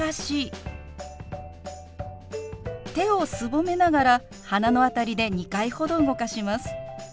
手をすぼめながら鼻の辺りで２回ほど動かします。